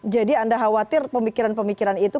jadi anda khawatir pemikiran pemikiran itu